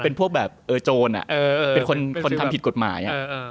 เป็นพวกแบบโจรเป็นคนทำผิดกฎหมาย